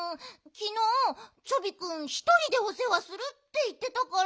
きのうチョビくんひとりでおせわするっていってたから。